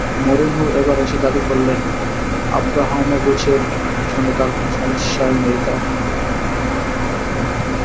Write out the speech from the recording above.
Mourinho এবার এসে দাবি করলেন আব্রামোভিচের সঙ্গে কোনো সমস্যাই নেই তাঁর।